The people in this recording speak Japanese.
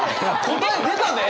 答え出たで！